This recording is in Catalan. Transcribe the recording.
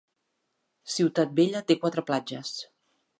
Ciutat Vella té quatre platges.